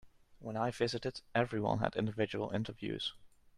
When I visited everyone had individual interviews.